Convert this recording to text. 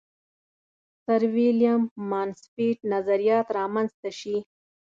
سرویلیم مانسفیلډ نظریات را منځته شي.